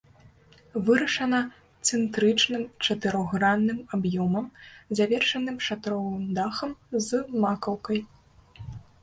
Вырашана цэнтрычным чатырохгранным аб'ёмам, завершаным шатровым дахам з макаўкай.